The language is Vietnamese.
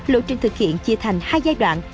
lộ trình thực hiện chia thành hai giai đoạn